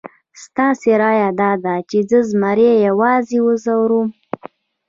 ستاسې رایه داده چې زه زمري یوازې وځوروم؟